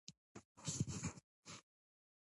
هغوی به ساسچن نه یراو.